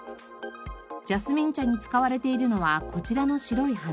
ジャスミン茶に使われているのはこちらの白い花。